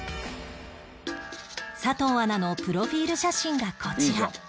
佐藤アナのプロフィール写真がこちら